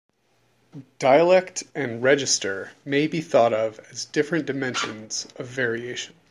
Dialect and register may be thought of as different dimensions of variation.